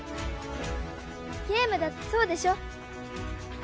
ゲームだってそうでしょ？